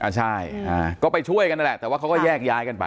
ใช่ก็ไปช่วยกันนั่นแหละแต่ว่าเขาก็แยกย้ายกันไป